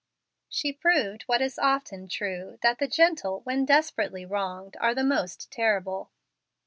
She proved what is often true, that the gentle, when desperately wronged, are the most terrible.